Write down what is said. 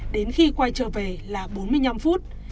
đến khi quay trở về là bốn mươi năm phút